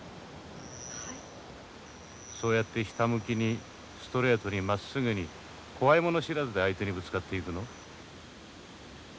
そうやってひたむきにストレートにまっすぐに怖いもの知らずで相手にぶつかっていくの？